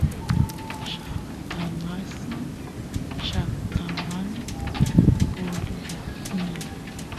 llaqtamasiy llaqtaman voliyakun